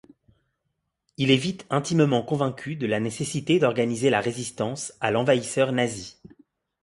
Il est vite intimement convaincu de la nécessité d'organiser la résistance à l'envahisseur nazi.